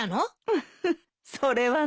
ウフそれはね。